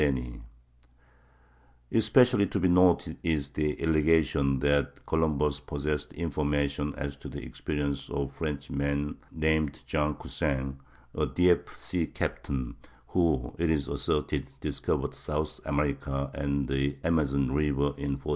[Illustration: ships of columbus] Especially to be noted is the allegation that Columbus possessed information as to the experience of a Frenchman named Jean Cousin,—a Dieppe sea captain, who, it is asserted, discovered South America and the Amazon River in 1488.